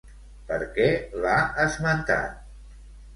Per què l'ha esmentat?